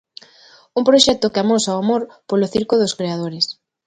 Un proxecto que amosa o amor polo circo dos creadores.